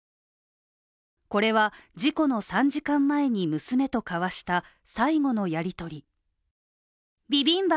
これは事故の３時間前に娘と交わした最後のやり取り。